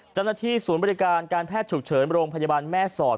เจ้าหน้าที่ศูนย์บริการการแพทย์ฉุกเฉินโรงพยาบาลแม่สอด